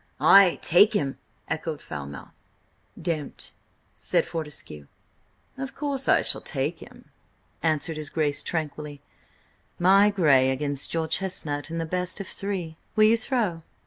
"Ay, take him!" echoed Falmouth. "Don't," said Fortescue. "Of course I shall take him," answered his Grace tranquilly. "My grey against your chestnut and the best of three. Will you throw?"